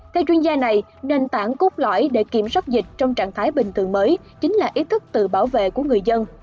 theo chuyên gia này nền tảng cốt lõi để kiểm soát dịch trong trạng thái bình thường mới chính là ý thức tự bảo vệ của người dân